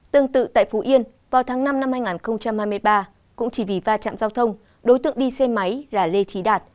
tương tự tại phú yên vào tháng năm năm hai nghìn hai mươi ba cũng chỉ vì va chạm giao thông đối tượng đi xe máy là lê trí đạt